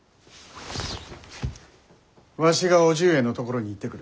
わしが伯父上のところに行ってくる。